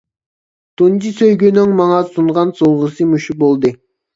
تۇنجى سۆيگۈنىڭ ماڭا سۇنغان سوۋغىسى مۇشۇ بولدى.